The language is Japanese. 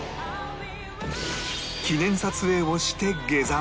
記念撮影をして下山